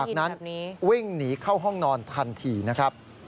เขี้ยวได้ยินแบบนี้จากนั้นวิ่งหนีเข้าห้องนอนทันทีนะครับ